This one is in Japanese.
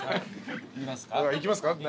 いきますか？